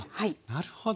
なるほど。